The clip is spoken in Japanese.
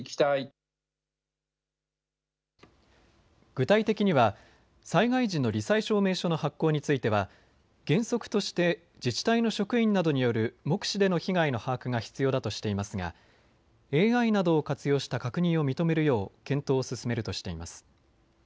具体的には災害時のり災証明書の発行については原則として自治体の職員などによる目視での被害の把握が必要だとしていますがＡＩなどを活用した確認を認めるよう検討を進めるとしています。